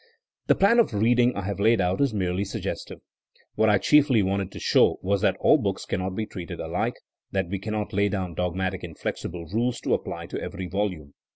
The plan of reading I have laid out is merely suggestive. What I chiefly wanted to show was that all books cannot be treated alike, that we cannot lay down dogmatic inflexible rules to apply to every volume.